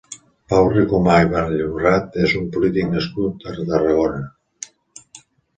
Pau Ricomà i Vallhonrat és un polític nascut a Tarragona.